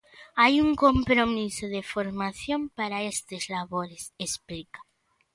"Hai un compromiso de formación para estes labores", explica.